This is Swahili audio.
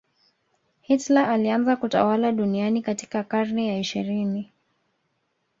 hitler alianza kutawala duniani katika karne ya ishirini